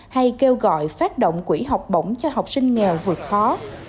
hay kêu gọi phát động quỹ học bổng cho học sinh nghèo vượt khó